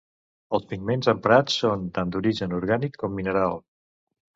Els pigments emprats són tant d'origen orgànic com mineral.